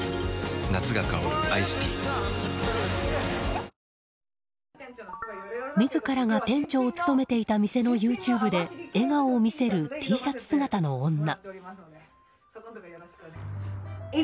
夏が香るアイスティー自らが店長を務めていた店のＹｏｕＴｕｂｅで笑顔を見せるＴシャツ姿の女。